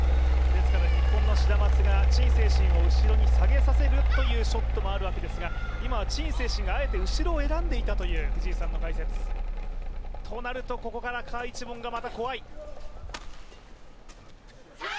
日本のシダマツが陳清晨を後ろに下げさせるというショットもあるわけですが、今は陳清晨があえて後ろを選んでいたという藤井さんの解説。となるとここから賈一凡がまた怖い。